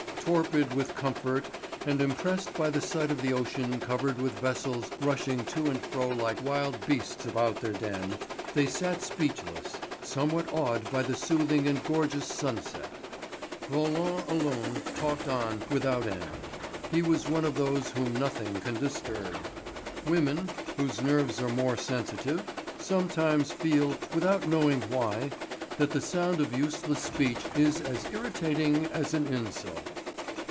Torpid with comfort and impressed by the sight of the ocean covered with vessels rushing to and fro like wild beasts about their den, they sat speechless, somewhat awed by the soothing and gorgeous sunset. Roland alone talked on without end; he was one of those whom nothing can disturb. Women, whose nerves are more sensitive, sometimes feel, without knowing why, that the sound of useless speech is as irritating as an insult.